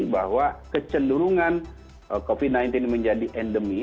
bahwa kecenderungan covid sembilan belas menjadi endemi